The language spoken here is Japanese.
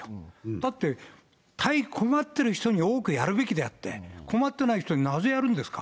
だって、対困っている人に、多くやるべきであって、困ってない人になぜやるんですか？